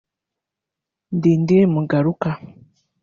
Ndindiri Mugaruka